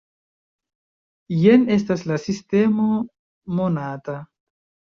Jen estas la sistemo monata.